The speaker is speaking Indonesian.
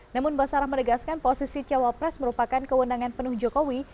namun basarah menegaskan posisi cawapres merupakan kewenangan penuh jokowi